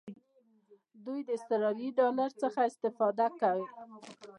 دوی د آسترالیایي ډالر څخه استفاده کوي.